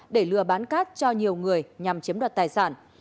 để lừa bán cát cho nhiều người nhằm chiếm đoạt tài sản